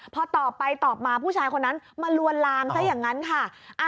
พอตอบไปตอบมาผู้ชายคนนั้นมาลวนลามซะอย่างนั้นค่ะ